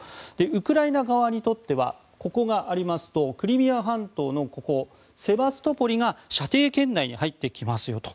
ウクライナ側にとってはここがありますとクリミア半島のセバストポリが射程圏内に入ってきますよと。